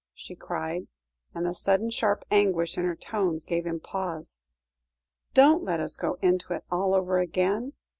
she cried, and the sudden sharp anguish in her tones gave him pause; "don't let us go into it all over again.